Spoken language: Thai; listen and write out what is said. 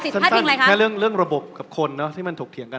สั้นแค่เรื่องระบบกับคนเนอะที่มันถกเถียงกัน